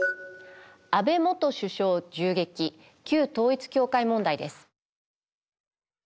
「安倍元首相銃撃」「旧統一教会問題」です。